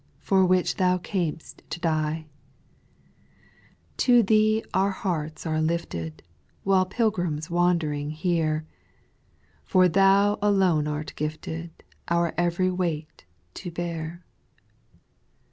For which thou cam^st to die, To Thee our hearts are lifted, While pilgrims wandering here, For Thou alone art gifted Our ev'ry weight to bear.